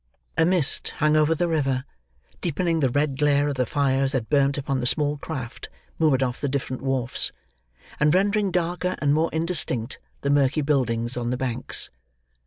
A mist hung over the river, deepening the red glare of the fires that burnt upon the small craft moored off the different wharfs, and rendering darker and more indistinct the murky buildings on the banks.